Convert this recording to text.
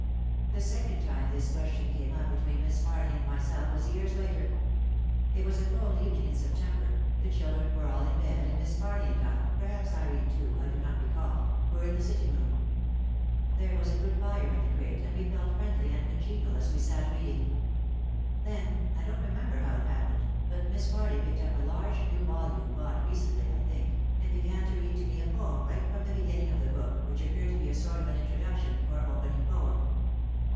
The second time this question came up between Miss Farly and myself was years later. It was a cold evening in September, the children were all in bed and Miss Farly and I, perhaps Irene too, I do not recall, were in the sitting room. There was a good fire in the grate m HE AND MOTHER CARTED OVER THE FURNITURE ON A PUSH CART. OUT OF THE SHADOW 267 and we felt friendly and congenial as we sat reading. Then, I don't remember how it happened, but Miss Farly picked up a large new volume bought recently I think, and began to read to me a poem right from the beginning of the book which appeared to be a sort of an introduc tion or opening poem.